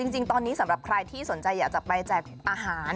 จริงตอนนี้สำหรับใครที่สนใจอยากจะไปแจกอาหาร